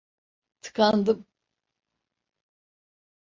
Tıkandım…